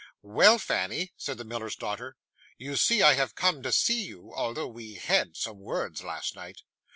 'Well, Fanny,' said the miller's daughter, 'you see I have come to see you, although we HAD some words last night.